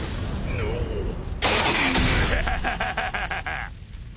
ムハハハ！